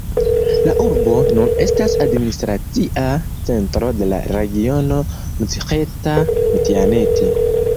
La urbo nun estas administracia centro de la regiono Mcĥeta-Mtianeti.